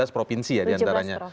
dua belas provinsi ya diantaranya